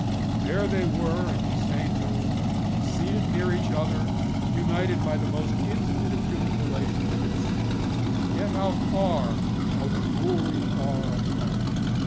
There they were, in the same room seated near each other; united by the most intimate of human relationships and yet how far, how cruelly far, apart!